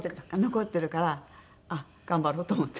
残ってるからあっ頑張ろうと思って。